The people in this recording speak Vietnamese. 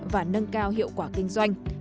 và nâng cao hiệu quả kinh doanh